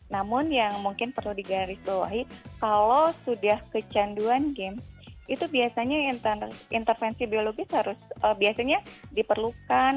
namun yang mungkin perlu digarisbawahi kalau sudah kecanduan game itu biasanya intervensi biologis harus biasanya diperlukan